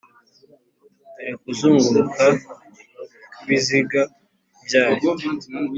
dorekuzunguruka kw'ibiziga byayo.